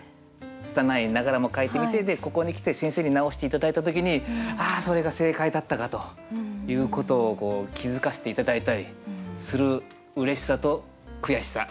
つたないながらも書いてみてここに来て先生に直して頂いた時にあそれが正解だったかということを気付かせて頂いたりするうれしさと悔しさ。